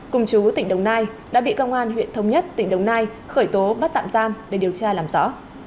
cùng chú tỉnh đồng nai đã bị công an huyện thống nhất tỉnh đồng nai khởi tố bắt tạm giam để điều tra làm rõ